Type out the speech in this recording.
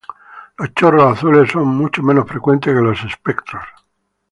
Los chorros azules son mucho menos frecuentes que los espectros.